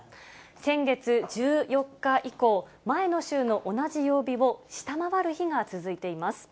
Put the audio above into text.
先月１４日以降、前の週の同じ曜日を下回る日が続いています。